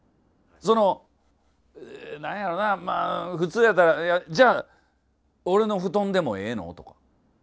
その何やろなまあ普通やったら「じゃあ俺の布団でもええの？」とか。